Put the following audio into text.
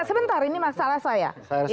sebentar ini masalah saya